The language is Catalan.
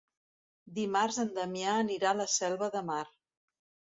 Dimarts en Damià anirà a la Selva de Mar.